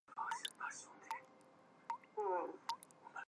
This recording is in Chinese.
后因与扮演角色的紧密联系很难在其他电影扮演主要角色。